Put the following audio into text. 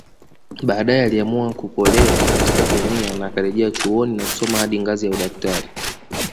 Baadae aliamua kukolea katika kemia na akarejea chuoni na kusoma hadi ngazi ya udaktari